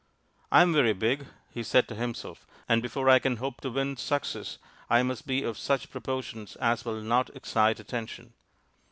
" I am very big/' he said to himself, " and before I can hope to win success I must be of such proportions as will not excite attention."